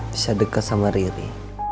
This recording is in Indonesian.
bisa deket sama riri